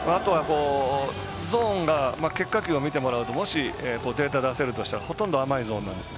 ゾーンが結果球を見てもらうとデータを出してもらうとほとんど甘いコースなんですよ。